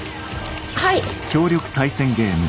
はい。